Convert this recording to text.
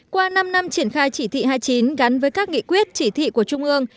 qua năm năm triển khai chỉ thị hai mươi chín gắn với các nghị quyết chỉ thị của trung ương